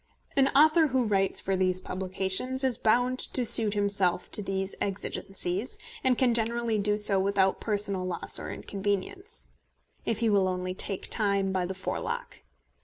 An author who writes for these publications is bound to suit himself to these exigencies, and can generally do so without personal loss or inconvenience, if he will only take time by the forelock.